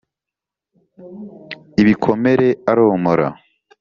ibikomere aromora.